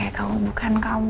seperti kamu bukan kamu